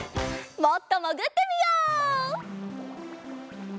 もっともぐってみよう！